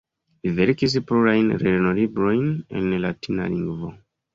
Li verkis plurajn lernolibrojn en latina lingvo.